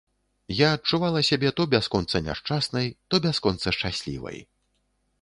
Я адчувала сябе то бясконца няшчаснай, то бясконца шчаслівай.